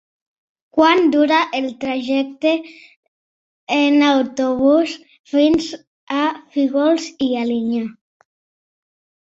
Quant dura el trajecte en autobús fins a Fígols i Alinyà?